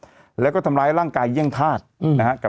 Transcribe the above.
อือแล้วก็ทำร้ายร่างกายเยี่ยงทาสอืมนะฮะ